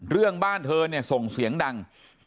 เรื่องบ้านเธอเนี่ยส่งเสียงดัง